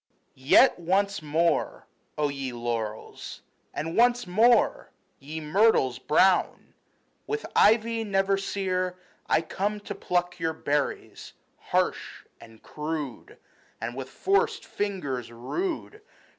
YET once more, O ye laurels, and once more. Ye myrtles brown, with ivy never sere, I come to pluck your berries harsh and crude, And with forced fingers rude